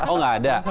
oh enggak ada